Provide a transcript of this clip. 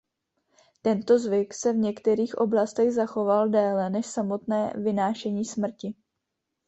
Tento zvyk se v některých oblastech zachoval déle než samotné vynášení smrti.